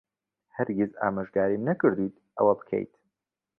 هەرگیز ئامۆژگاریم نەکردوویت ئەوە بکەیت.